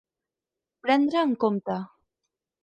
Prendre en compte.